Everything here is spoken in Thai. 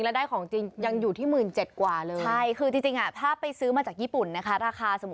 ฝากผู้ประกาศเรานี่แหละที่น้องเขาไปเที่ยวญี่ปุ่นน้องดาว